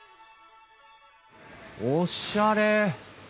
おっしゃれ。